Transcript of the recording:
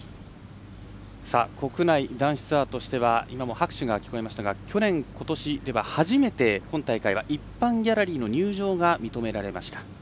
国内男子ツアーとしては去年、ことしでは初めて、今大会は一般ギャラリーの入場が認められました。